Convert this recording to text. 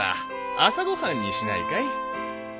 朝ご飯にしないかい？